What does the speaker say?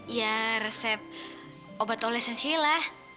ya resep obat olesan sheila